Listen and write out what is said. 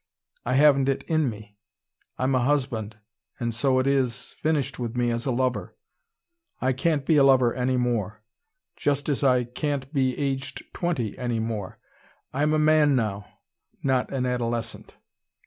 I haven't it in me. I'm a husband, and so it is finished with me as a lover. I can't be a lover any more, just as I can't be aged twenty any more. I am a man now, not an adolescent.